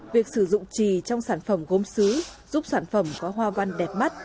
việc sử dụng trì trong sản phẩm gốm xứ giúp sản phẩm có hoa văn đẹp mắt